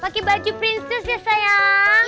pakai baju princes ya sayang